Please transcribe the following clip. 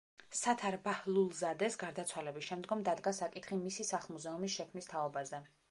სათარ ბაჰლულზადეს გარდაცვალების შემდგომ დადგა საკითხი მისი სახლ-მუზეუმის შექმნის თაობაზე.